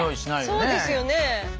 そうですよね。